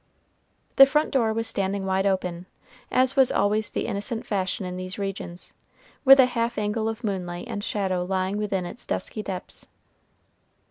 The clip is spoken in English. The front door was standing wide open, as was always the innocent fashion in these regions, with a half angle of moonlight and shadow lying within its dusky depths.